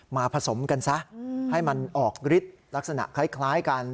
ผสมกันซะให้มันออกฤทธิ์ลักษณะคล้ายกัน